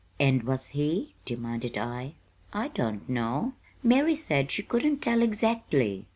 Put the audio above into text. "And was he?" demanded I. "I don't know. Mary said she couldn't tell exactly.